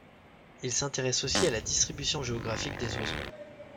Il s’intéresse aussi à la distribution géographique des oiseaux.